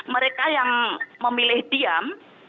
mereka yang memilih diam